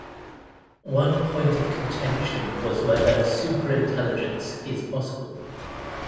One point of contention was whether superintelligence is possible.